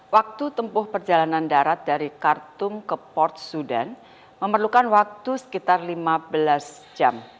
waktu tempuh perjalanan darat dari khartung ke port sudan memerlukan waktu sekitar lima belas jam